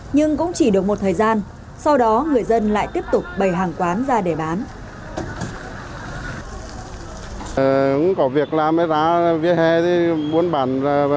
nhưng cũng chỉ được một thời gian sau đó người dân lại tiếp tục bày hàng quán ra để bán